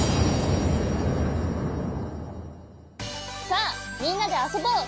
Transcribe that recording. さあみんなであそぼう！